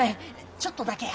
ちょっとだけや。